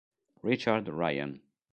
Richard Ryan